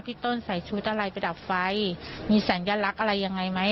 ต้นใส่ชุดอะไรไปดับไฟมีสัญลักษณ์อะไรยังไงไหม